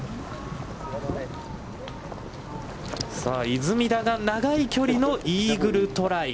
さあ、出水田が長い距離のイーグルトライ。